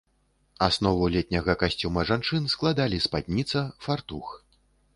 Аснову летняга касцюма жанчын складалі спадніца, фартух.